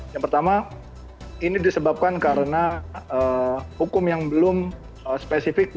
yang pertama ini disebabkan karena hukum yang belum spesifik